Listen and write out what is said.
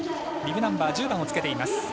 ビブナンバー１０番をつけています。